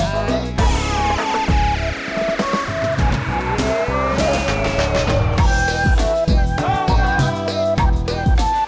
jangan gitu atu